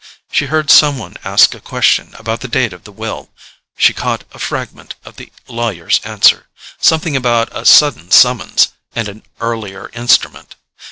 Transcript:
She heard some one ask a question about the date of the will; she caught a fragment of the lawyer's answer—something about a sudden summons, and an "earlier instrument."